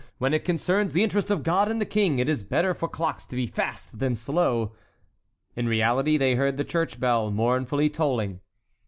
When it concerns the interest of God and the King, it is better for clocks to be fast than slow!" In reality they heard the church bell mournfully tolling.